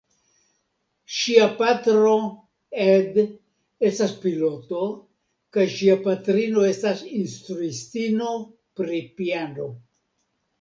Ŝia patro, Ed, estas piloto kaj ŝia patrino estas instruistino pri piano.